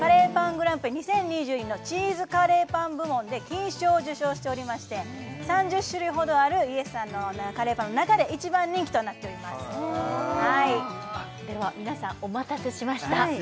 グランプリ２０２２のチーズカレーパン部門で金賞を受賞しておりまして３０種類ほどあるＹＥＳ！さんのカレーパンの中で一番人気となっておりますでは皆さんお待たせしました